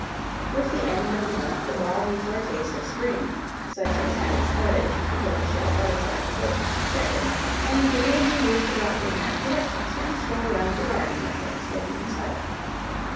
With the end of the month a balmy foretaste of spring (such as had encouraged the tortoise shell butterfly to hope) set in, and the Major used to drop in after breakfast and stroll round the garden with her, smoking his pipe.